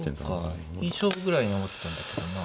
いい勝負ぐらいに思ってたんだけどな。